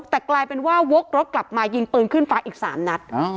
แต่กลายเป็นว่าวกรถกลับมายิงปืนขึ้นฟ้าอีก๓นัด